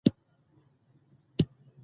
موږ باید د یو بل ستونزې درک کړو